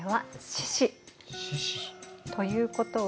獅子。ということは？